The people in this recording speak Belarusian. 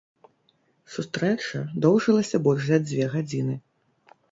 Сустрэча доўжылася больш за дзве гадзіны.